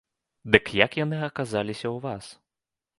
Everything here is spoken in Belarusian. Дык як яны аказаліся ў вас?